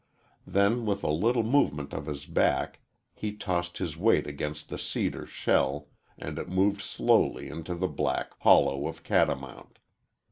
Then, with a little movement of his back, he tossed his weight against the cedar shell and it moved slowly into the black hollow of Catamount.